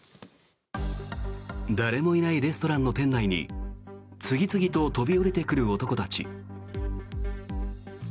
誰もいないレストランの店内に次々と飛び降りてくる男たち。